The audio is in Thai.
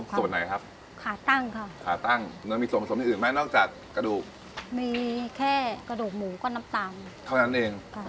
ส่วนไหนครับขาตั้งค่ะขาตั้งแล้วมีส่วนผสมอื่นไหมนอกจากกระดูกมีแค่กระดูกหมูก็น้ำตาลเท่านั้นเอง